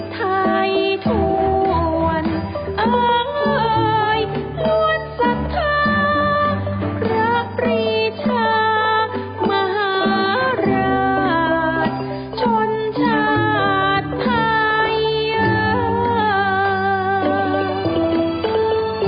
ไทยทวนอาเงยลวดสัทธารักปรีชามหาราชชนชาติไทย